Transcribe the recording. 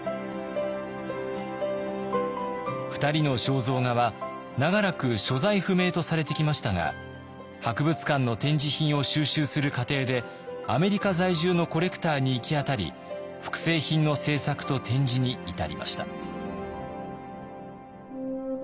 ２人の肖像画は長らく所在不明とされてきましたが博物館の展示品を収集する過程でアメリカ在住のコレクターに行き当たり複製品の制作と展示に至りました。